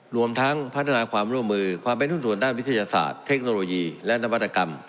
รวมทั้งพัฒนาความร่วมมือความเป็นหุ้นส่วนด้านวิทยาศาสตร์เทคโนโลยีและนวัตกรรม